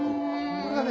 これがね